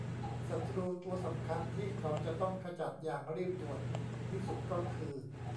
ศัตรูตัวสำคัญที่เขาจะต้องขจัดอย่างรีบด่วนที่สุดก็คือ